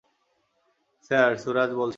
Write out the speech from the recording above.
Sir, Suraj বলছি।